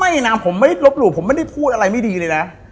นะผมไม่ลบหลู่ผมไม่ได้พูดอะไรไม่ดีเลยนะ